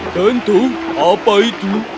tentu saja apa itu